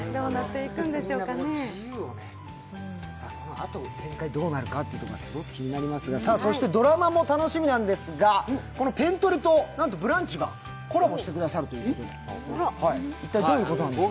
このあとの展開、どうなるかというのが気になりますが、そしてドラマも楽しみなんですが、この「ペントレ」と「ブランチ」がコラボしてくださるということで一体どういうことでしょう？